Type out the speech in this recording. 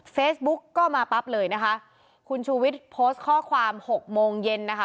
เฟซบุ๊กก็มาปั๊บเลยนะคะคุณชูวิทย์โพสต์ข้อความหกโมงเย็นนะคะ